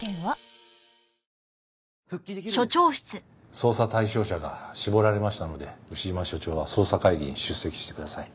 捜査対象者が絞られましたので牛島署長は捜査会議に出席してください。